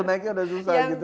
naiknya sudah susah gitu